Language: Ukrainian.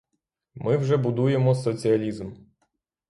Ми вже будуємо соціалізм!